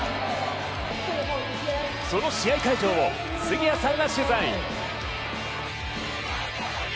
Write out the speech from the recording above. その試合会場を杉谷さんが取材。